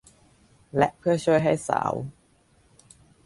และเพื่อช่วยให้สาว